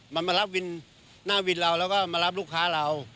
มันมารับวินหน้าวินเราแล้วก็มารับลูกค้าเรา